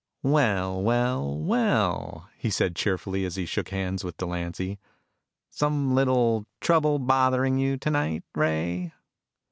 "Well, well, well," he said cheerfully as he shook hands with Delancy. "Some little trouble bothering you tonight, Ray?"